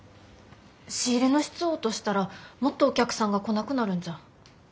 仕入れの質を落としたらもっとお客さんが来なくなるんじゃ。